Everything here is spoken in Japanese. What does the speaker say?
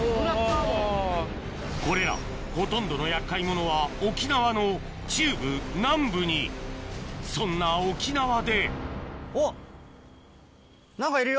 これらほとんどの厄介者は沖縄の中部南部にそんな沖縄でおっ何かいるよ。